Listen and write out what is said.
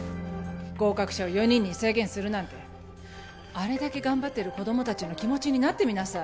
合格者を４人に制限するなんてあれだけ頑張ってる子供達の気持ちになってみなさい